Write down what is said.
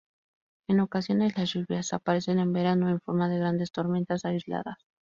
En ocasiones las lluvias aparecen en verano en forma de grandes tormentas aisladas.